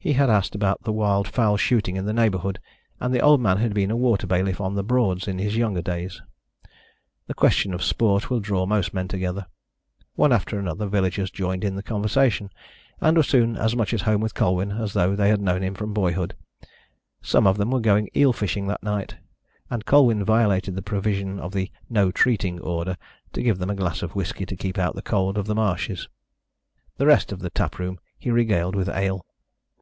He had asked about wild fowl shooting in the neighbourhood, and the old man had been a water bailiff on the Broads in his younger days. The question of sport will draw most men together. One after another of the villagers joined in the conversation, and were soon as much at home with Colwyn as though they had known him from boyhood. Some of them were going eel fishing that night, and Colwyn violated the provisions of the "no treating" order to give them a glass of whisky to keep out the cold of the marshes. The rest of the tap room he regaled with ale.